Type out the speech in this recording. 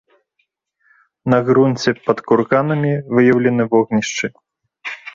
На грунце пад курганамі выяўлены вогнішчы.